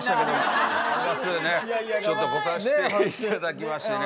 ちょっと来さして頂きましてね。